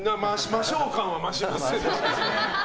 魔性感は増しますよね。